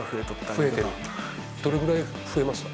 どれくらい増えました？